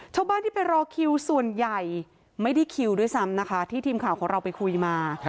ชาวบ้านที่ไปรอคิวส่วนใหญ่ไม่ได้คิวด้วยซ้ำนะคะที่ทีมข่าวของเราไปคุยมา